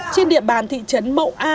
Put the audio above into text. trên địa bàn thị trấn mậu a huyền hà